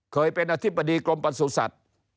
เคยเป็นอธิบดีกรมประสุทธิ์